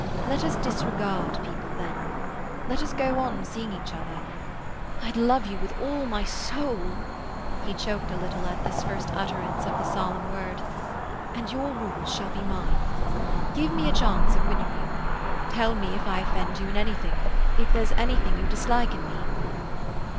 Let us disregard people, then. Let us go on seeing each other. I love you with all my soul"—he choked a little at this first utterance of the solemn word—"and your rules shall be mine. Give me a chance of winning you. Tell me if I offend you in anything—if there's anything you dislike in me."